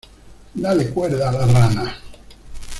¡ Dale cuerda a la rana!